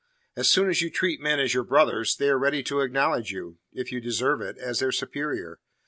As soon as you treat men as your brothers, they are ready to acknowledge you if you deserve it as their superior.